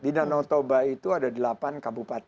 di danau toba itu ada delapan kabupaten